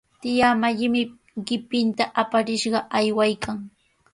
Tiyaa Mallimi qipinta aparishqa aywaykan.